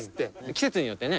季節によってね